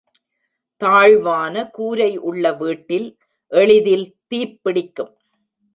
தாழ்வான கூரை உள்ள வீட்டில் எளிதில் தீப்பிடிக்கும்.